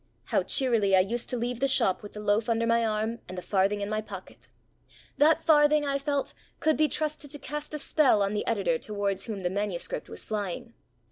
How cheerily I used to leave the shop with the loaf under my arm and the farthing in my pocket! That farthing, I felt, could be trusted to cast a spell on the editor towards whom the manuscript was flying.